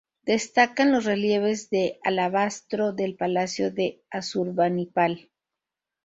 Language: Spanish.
Destacan los relieves de alabastro del palacio de Asurbanipal.